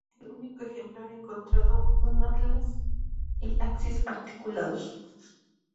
El único ejemplar encontrado, un atlas y axis articulados.